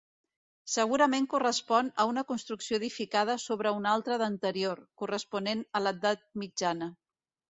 Segurament correspon a una construcció edificada sobre una altra d'anterior, corresponent a l'Edat Mitjana.